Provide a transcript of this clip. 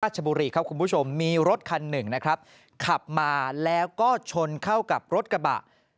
ชบุรีครับคุณผู้ชมมีรถคันหนึ่งนะครับขับมาแล้วก็ชนเข้ากับรถกระบะ